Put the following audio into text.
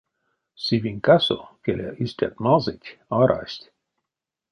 Сивинькасо, келя, истят мазыйть арасть.